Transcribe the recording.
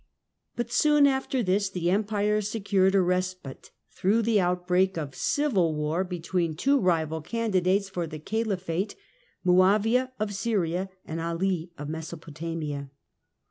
78 THE DAWN OF MEDIAEVAL EUROPE soon after this the Empire secured a respite through the outbreak of civil war between two rival candidates for the Kaliphate — Muavia of Syria and Ali of Meso potamia.